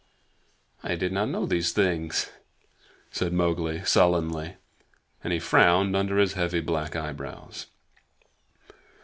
"I did not know these things," said Mowgli sullenly, and he frowned under his heavy black eyebrows.